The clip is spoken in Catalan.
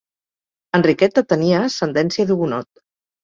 Enriqueta tenia ascendència d'Hugonot.